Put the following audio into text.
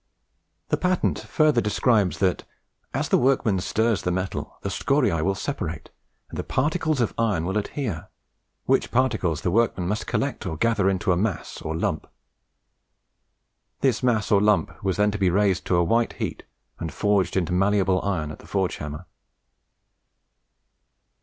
The patent further describes that "as the workman stirs the metal," the scoriae will separate, "and the particles of iron will adhere, which particles the workman must collect or gather into a mass or lump." This mass or lump was then to be raised to a white heat, and forged into malleable iron at the forge hammer.